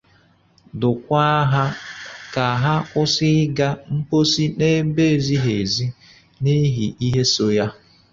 dụọkwa ha ka ha kwụsị ịga mposi n'ebe ezighị ezi n'ihi ihe so ya.